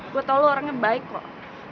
gue tau lo orangnya baik kok